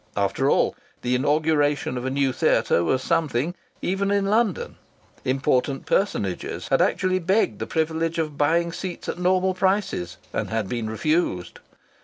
After all, the inauguration of a new theatre was something, even in London! Important personages had actually begged the privilege of buying seats at normal prices, and had been refused.